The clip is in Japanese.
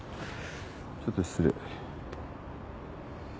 ちょっと失礼。